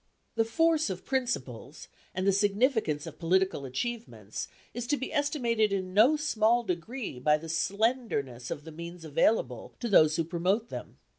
The force of principles, and the significance of political achievements, is to be estimated in no small degree by the slenderness of the means available to those who promote them.